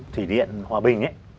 thủy điện hòa bình